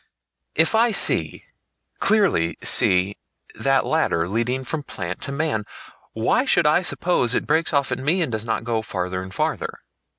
If I see, clearly see, that ladder leading from plant to man, why should I suppose it breaks off at me and does not go farther and farther?